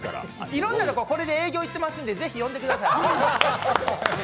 いろんなところ、これで営業に行っていますので、ぜひ、呼んでください。